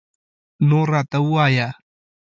نور راته ووایه